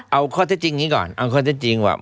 เอาข้อเท็จจริงนี้ก่อนเอาข้อเท็จจริงว่า